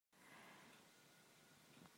Mi hlawptlo a si.